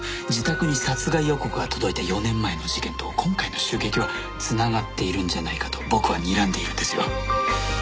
自宅に殺害予告が届いた４年前の事件と今回の襲撃は繋がっているんじゃないかと僕はにらんでいるんですよ。